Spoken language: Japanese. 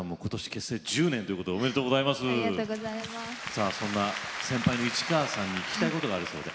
さあそんな先輩の市川さんに聞きたいことがあるそうで。